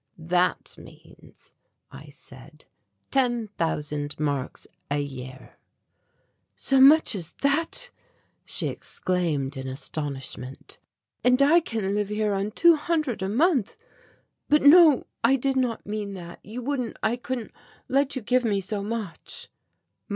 "That means," I said, "ten thousand marks a year." "So much as that!" she exclaimed in astonishment. "And I can live here on two hundred a month, but no, I did not mean that you wouldn't, I couldn't let you give me so much."